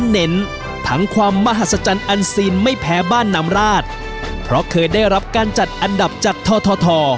เน้นทั้งความมหัศจรรย์อันซีนไม่แพ้บ้านน้ำราชเพราะเคยได้รับการจัดอันดับจากทท